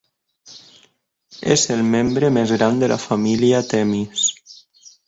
És el membre més gran de la família Themis.